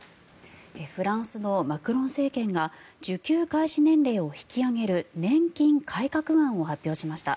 フランスのマクロン政権が受給開始年齢を引き上げる年金改革案を発表しました。